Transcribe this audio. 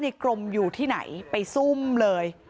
กรมอยู่ที่ไหนไปซุ่มเลย